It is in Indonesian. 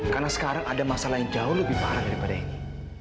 karena sekarang ada masalah yang jauh lebih parah daripada ini